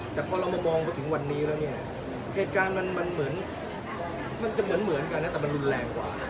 แต่พอเรามามองมาถึงวันนี้แล้วเนี่ยเหตุการณ์มันเหมือนมันจะเหมือนกันนะแต่มันรุนแรงกว่า